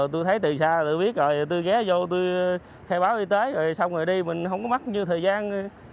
tôi thấy từ xa rồi biết rồi tôi ghé vô tôi khai báo y tế rồi xong rồi đi mình không có mất như thời gian